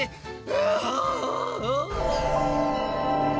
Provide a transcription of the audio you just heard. ああ！